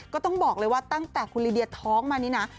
ก็ต้องบอกเลยว่าตั้งแต่คุณลิเดียท้องมานี่นะ